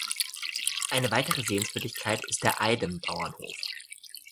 Eine weitere Sehenswürdigkeit ist der "Eidem"-Bauernhof.